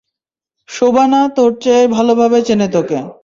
শোবানা তোর চেয়ে ভালোভাবে চেনে তোকে।